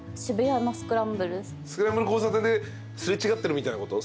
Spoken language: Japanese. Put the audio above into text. スクランブル交差点で擦れ違ってるみたいなこと？